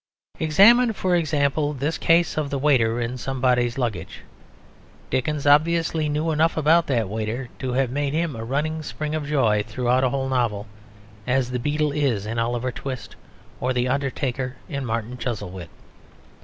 Examine for example this case of the waiter in Somebody's Luggage. Dickens obviously knew enough about that waiter to have made him a running spring of joy throughout a whole novel; as the beadle is in Oliver Twist, or the undertaker in Martin Chuzzlewit.